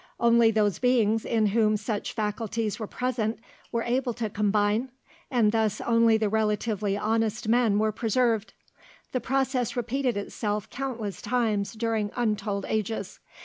Only those beings in whom such faculties were present were able to combine, and thus only the relatively honest men were preserved. The process repeated itself countless times during untold ages.